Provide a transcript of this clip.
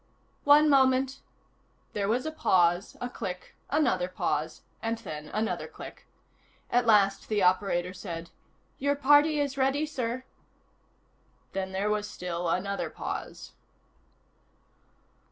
"One moment," There was a pause, a click, another pause and then another click. At last the operator said: "Your party is ready, sir." Then there was still another pause.